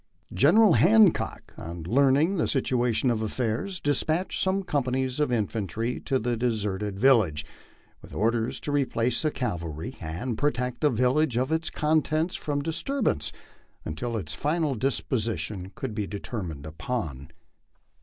General Hancock, on learning the situation of affairs, despatched some companies of infantry to the deserted village, with or ders to replace the cavalry and protect the village and its contents from dis turbance until its final disposition could be determined upon.